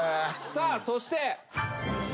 さあそして。